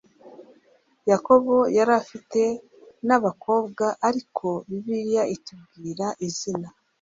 Yakobo yari afite n abakobwa ariko Bibiliya itubwira izina